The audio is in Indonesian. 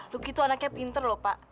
luki itu anaknya pinter loh pak